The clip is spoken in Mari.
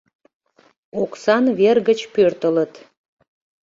Оксан вер гыч пӧртылыт